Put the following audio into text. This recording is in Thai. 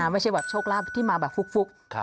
ไม่ใช่แบบโชคลาภที่มาแบบฟุก